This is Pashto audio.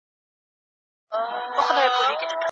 کله چې لوبه پیل شوه نو خلکو چغې وهلې.